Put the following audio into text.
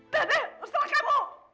dede setelah kamu